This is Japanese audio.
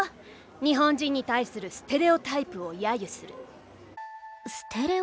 日本人に対する「ステレオタイプ」を揶揄する。